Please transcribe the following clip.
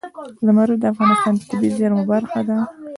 زمرد د افغانستان د طبیعي زیرمو برخه ده.